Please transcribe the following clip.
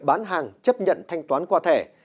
bán hàng chấp nhận thanh toán qua thẻ